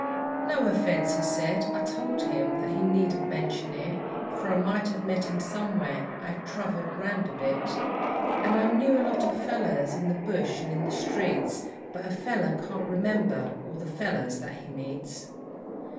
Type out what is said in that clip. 'No erfence,' he said. I told him that he needn't mention it, For I might have met him somewhere; I had travelled round a bit, And I knew a lot of fellows in the bush and in the streets But a fellow can't remember all the fellows that he meets.